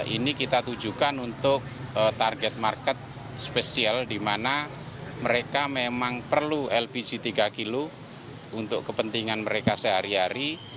ini kita tujukan untuk target market spesial di mana mereka memang perlu lpg tiga kg untuk kepentingan mereka sehari hari